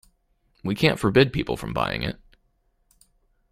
We can't forbid people from buying it.